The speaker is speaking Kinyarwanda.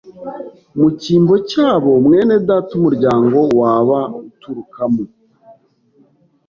mu cyimbo cyabo, mwene data umuryango waba uturukamo